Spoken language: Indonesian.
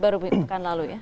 baru minggu lalu ya